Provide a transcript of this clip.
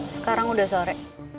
sekarang udah sore